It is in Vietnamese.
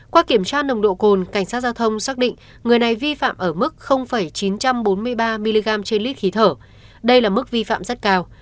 qua kiểm tra nồng độ cồn cảnh sát giao thông xác định người này vi phạm ở mức chín trăm bốn mươi ba mg trên lít khí thở đây là mức vi phạm rất cao